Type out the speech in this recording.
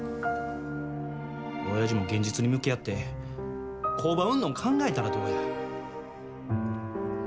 おやじも現実に向き合って工場売んの考えたら、どうや。